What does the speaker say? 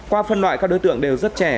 qua phân loại các đối tượng đều rất trẻ